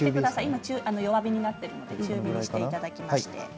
今、弱火になっているので中火にしてください。